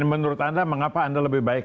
menurut anda mengapa anda lebih baik